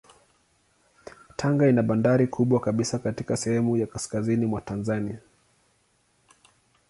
Tanga ina bandari kubwa kabisa katika sehemu ya kaskazini mwa Tanzania.